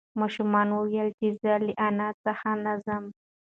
ماشوم وویل چې زه له انا څخه نه ځم.